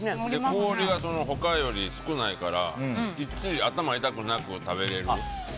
氷が他より少ないからきっちり頭痛くなく食べれる。